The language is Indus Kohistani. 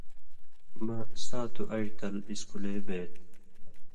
مہ ساتُو اَئیڑ تل اِسکُلے بَیت۔